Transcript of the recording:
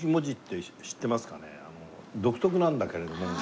独特なんだけれども。